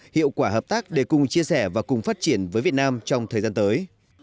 hiệu quả hợp tác để cùng chia sẻ và cùng phát triển với việt nam trong thời gian tới